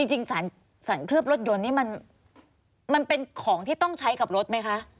จริงสารเคลือบรถยนต์นี่มันเป็นของที่ต้องใช้กับรถไหมคะ